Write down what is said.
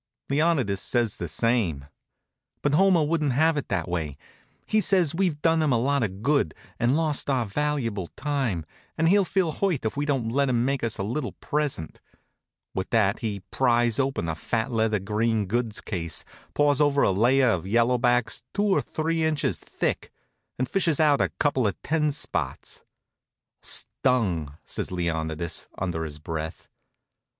Leonidas says the same. But Homer wouldn't have it that way. He says we've done him a lot of good, and lost our valuable time, and he'll feel hurt if we don't let him make us a little present. With that he pries open a fat leather green goods case, paws over a layer of yellow backs two or three inches thick and fishes out a couple of ten spots. "Stung!" says Leonidas, under his breath.